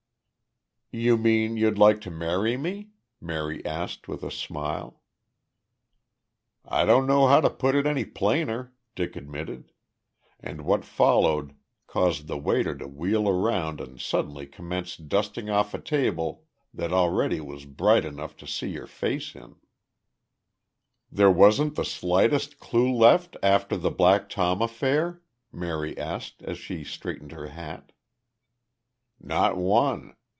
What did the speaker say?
"You mean you'd like to marry me?" Mary asked with a smile. "I don't know how to put it any plainer," Dick admitted and what followed caused the waiter to wheel around and suddenly commence dusting off a table that already was bright enough to see your face in. "There wasn't the slightest clue left after the Black Tom affair?" Mary asked, as she straightened her hat. "Not one.